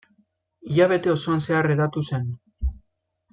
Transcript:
Hilabete osoan zehar hedatu zen.